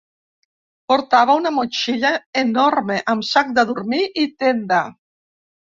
Portava una motxilla enorme, amb sac de dormir i tenda.